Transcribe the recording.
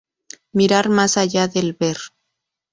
Mirar más allá del ver.